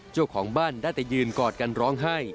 เจ้าของบ้านได้แต่ยืนกอดกันร้องไห้